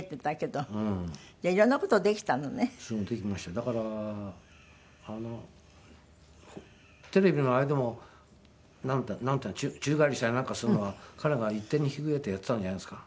だからテレビのあれでも宙返りしたりなんかするのは彼が一手に引き受けてやっていたんじゃないですか。